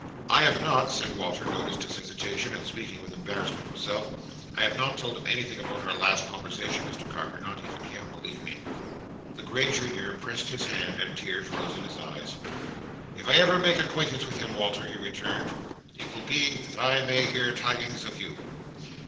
I have not," said Walter, noticing his hesitation, and speaking with embarrassment himself: "I have not told him anything about our last conversation, Mr Carker; not even him, believe me. The grey Junior pressed his hand, and tears rose in his eyes. "If I ever make acquaintance with him, Walter," he returned, "it will be that I may hear tidings of you.